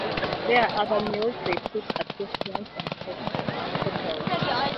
Their other meals they took at restaurants and hotels.